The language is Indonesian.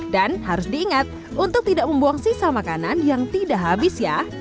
dan harus diingat untuk tidak membuang sisa makanan yang tidak habis ya